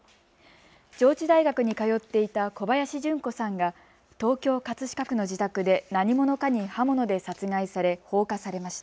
上智大学に通っていた小林順子さんが東京葛飾区の自宅で何者かに刃物で殺害され放火されました。